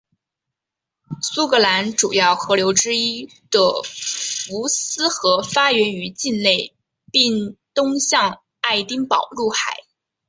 苏格兰主要河流之一的福斯河发源于境内并东向爱丁堡入海。